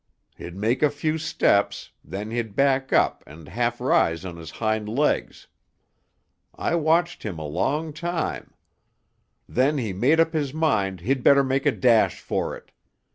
He'd make a few steps; then he'd back up and half rise on his hind legs. I watched him a long time. Then he made up his mind he'd better make a dash for it.